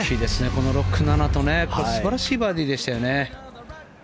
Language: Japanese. この６、７と素晴らしいバーディーでしたよね。